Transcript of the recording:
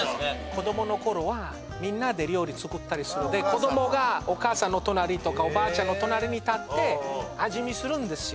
子どもの頃はみんなで料理作ったりするで子どもがお母さんの隣とかおばあちゃんの隣に立って味見するんですよ